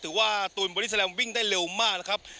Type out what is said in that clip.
ถือว่าตูนบอลิสาลัมวิ่งได้เร็วมากนะครับ